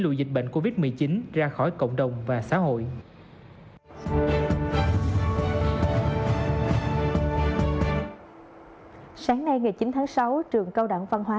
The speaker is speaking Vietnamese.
lùi dịch bệnh covid một mươi chín ra khỏi cộng đồng và xã hội sáng nay ngày chín tháng sáu trường cao đẳng văn hóa